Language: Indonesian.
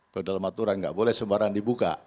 kedalam aturan gak boleh sembarangan dibuka